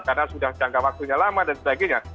karena sudah jangka waktunya lama dan sebagainya